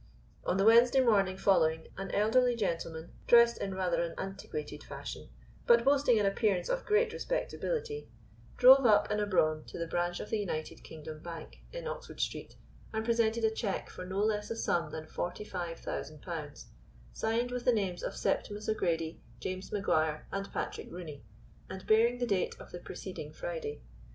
On the Wednesday morning following, an elderly gentleman, dressed in rather an antiquated fashion, but boasting an appearance of great respectability, drove up in a brougham to the branch of the United Kingdom Bank in Oxford Street, and presented a cheque for no less a sum than forty five thousand pounds, signed with the names of Septimus O'Grady, James Maguire, and Patrick Rooney, and bearing the date of the preceding Friday.